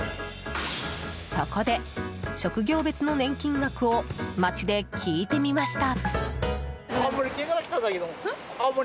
そこで、職業別の年金額を街で聞いてみました。